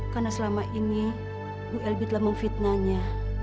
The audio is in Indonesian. karena selama ini bu elbi telah memfitnahnya